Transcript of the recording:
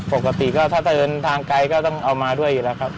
ปกติก็ถ้าจะเดินทางไกลก็ต้องเอามาด้วยอยู่แล้วครับ